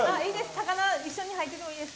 高菜一緒に入っててもいいです。